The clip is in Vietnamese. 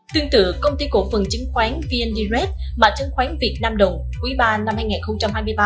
tương tự công ty cổ phần chứng khoán vn direct mà chứng khoán việt nam đồng quý ba năm hai nghìn hai mươi ba